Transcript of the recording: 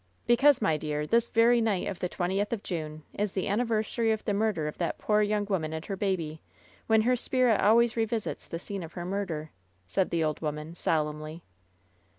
"Because, my dear, this very night of the twentieth of June is the anniversary of the murder of that poor young woman and her baby, when her spirit always re visits the scene of her murder," said Ae old woman, solemnly.